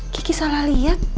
kiki salah lihat